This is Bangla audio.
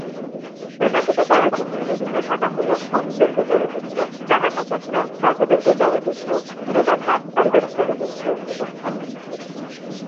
প্রদর্শিত চলচ্চিত্রের বিভিন্ন শাখা হল পূর্ণদৈর্ঘ্য চলচ্চিত্র, প্রামাণ্যচিত্র, স্বল্পদৈর্ঘ্য চলচ্চিত্র, ফিরে দেখা, পারিবারিক চলচ্চিত্র এবং অ্যানিমেশন।